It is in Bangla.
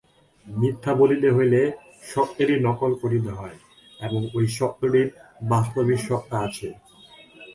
মিথ্যা বলিতে হইলে সত্যেরই নকল করিতে হয় এবং ঐ সত্যটির বাস্তবিক সত্তা আছে।